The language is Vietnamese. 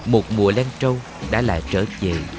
một mùa len trâu đã lại trở về